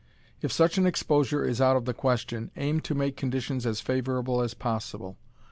If such an exposure is out of the question, aim to make conditions as favorable as possible.